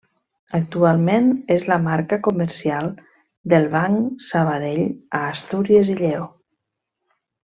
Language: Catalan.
Actualment és la marca comercial del Banc Sabadell a Astúries i Lleó.